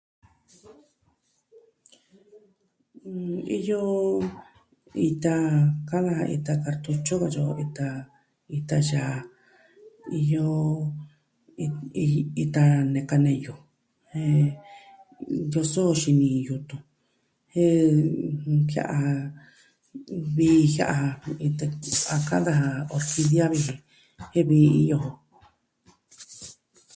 N.. Iyo ita kaa, ita kartutyu katyi o vitan. Ita yaa. Iyo i... ita neka neyu. Jen yoso xini yutun. jen nkia'a, vii jia'a iin a ka'an daja orkidia vi ji. Jen vii iyo jo.